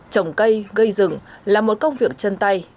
trồng cây gây rừng là một công việc chân tay